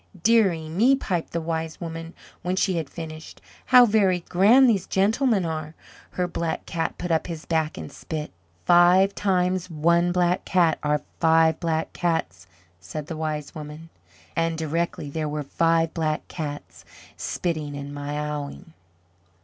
"Deary me," piped the Wise Woman, when she had finished, "how very grand these gentlemen are." Her Black Cat put up his back and spit. "Five times one Black Cat are five Black Cats," said the Wise Woman. And directly there were five Black Cats spitting and miauling.